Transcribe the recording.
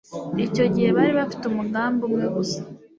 Icyo gihe bari bafite umugambi umwe gusa.